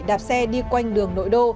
đạp xe đi quanh đường nội đô